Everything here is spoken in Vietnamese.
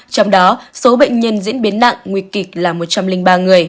trong đó số bệnh nhân diễn biến nặng nguy kịch là một trăm linh ba người